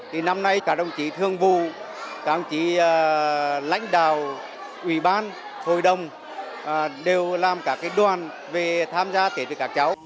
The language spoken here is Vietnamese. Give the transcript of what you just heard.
thì năm nay cả đồng chí thương vụ cả đồng chí lãnh đạo ủy ban hội đồng đều làm cả cái đoàn về tham gia tới với các cháu